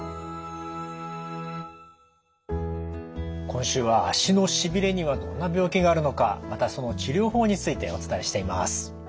今週は足のしびれにはどんな病気があるのかまたその治療法についてお伝えしています。